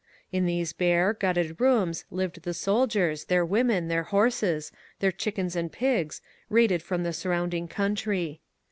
In these bare, gutted rooms lived the soldiers, their women, their horses, their chickens and pigs, raided from the surrounding country.